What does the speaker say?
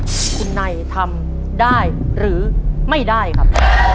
คุณนายทำได้หรือไม่ได้ครับ